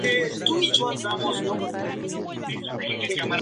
En esa etapa acompañó en varias grabaciones al recordado cantor Agustín Magaldi.